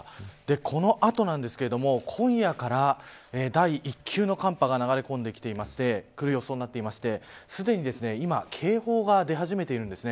この後なんですけれども今夜から第一級の寒波が流れ込んでくる予想になっていましてすでに今警報が出始めています。